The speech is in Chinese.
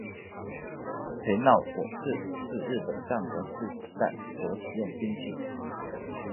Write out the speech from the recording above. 焙烙火矢是日本战国时代所使用兵器。